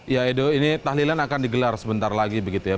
ya edo ini tahlilan akan digelar sebentar lagi begitu ya